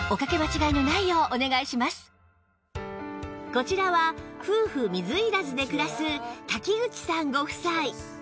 こちらは夫婦水入らずで暮らす瀧口さんご夫妻